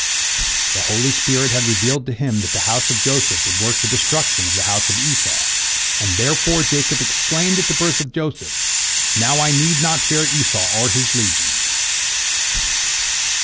The holy spirit had revealed to him that the house of Joseph would work the destruction of the house of Esau, and, therefore, Jacob exclaimed at the birth of Joseph, "Now I need not fear Esau or his legions."